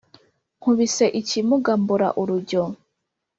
Nkubise ikimuga mbura urujyo